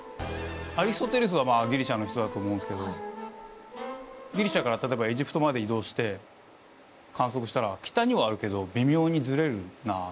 アリストテレスはギリシアの人だと思うんすけどギリシアから例えばエジプトまで移動して観測したら北にはあるけど微妙にズレるなあ。